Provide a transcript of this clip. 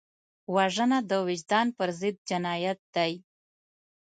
وژنه د وجدان پر ضد جنایت دی